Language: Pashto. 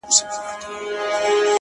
پايزېب به دركړمه د سترگو توره،